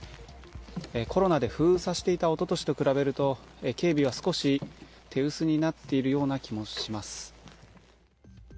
コロナで封鎖していたおととしと比べると警備は少し手薄になっているような気もします。